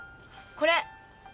これ。